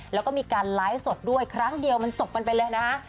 แล้วก็มีการไลฟ์สดด้วยครั้งเดียวมันจบกันไปเลยนะฮะ